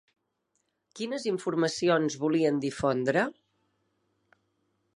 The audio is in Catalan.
Quines informacions volien difondre?